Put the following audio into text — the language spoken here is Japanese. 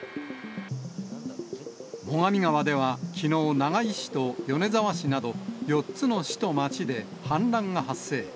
最上川では、きのう、長井市と米沢市など、４つの市と町で氾濫が発生。